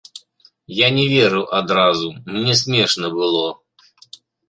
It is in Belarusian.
Я не верыў адразу, мне смешна было.